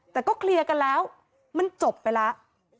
แต่ก็เคลียร์กันแล้วมันจบไปแล้ว